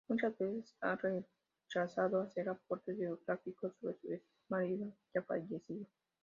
Muchas veces ha rechazado hacer aportes biográficos sobre su exmarido ya fallecido.